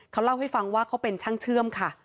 เขาเล่าให้ฟังว่าเขาเป็นช่างเชื่อมค่ะ